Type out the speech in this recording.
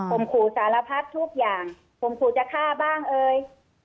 ผมขู่สารพัดทุกอย่างข่มขู่จะฆ่าบ้างเอ่ย